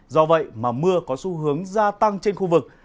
do vậy mà mưa có xu hướng gia tăng trên khu vực